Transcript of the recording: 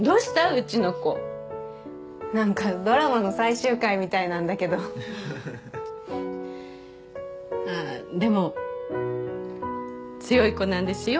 うちの子なんかドラマの最終回みたいなんだけどははははっああーでも強い子なんですよ